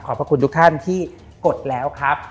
พระคุณทุกท่านที่กดแล้วครับ